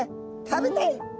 食べたい！